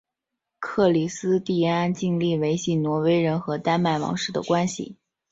克里斯蒂安尽力维系挪威人和丹麦王室的关系。